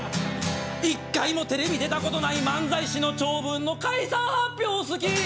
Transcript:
１回もテレビ出たことない漫才師の長文の解散発表好き。